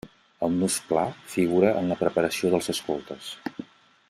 El nus pla figura en la preparació dels escoltes.